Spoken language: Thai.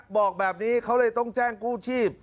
บอกแบบนี้เขาเลยต้องแจ้งกู้ชีพ